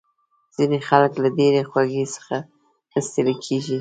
ځینې خلک له ډېرې خوږې څخه ستړي کېږي.